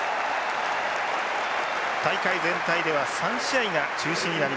大会全体では３試合が中止になりました。